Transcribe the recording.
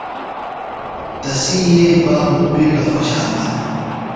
تسی یئیے بابوۡ بِیڈہ خوۡشان دےۡ۔